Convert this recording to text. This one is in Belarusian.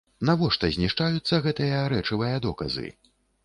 Навошта знішчаюцца гэтыя рэчавыя доказы?